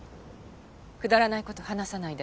くだらないこと話さないで。